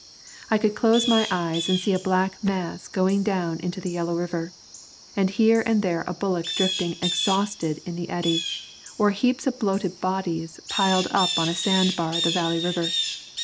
I could close my eyes and see a black mass going down in the yellow water, with here and there a bullock drifting exhausted in the eddy, or heaps of bloated bodies piled up on a sandbar of the Valley River.